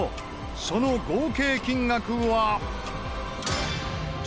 その合計金額は。